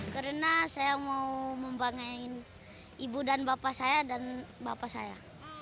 karena saya mau membangun ibu dan bapak saya dan bapak saya